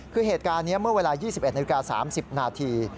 คือเหตุการณ์นี้เมื่อเวลา๒๑นาฬิกา๓๐นาที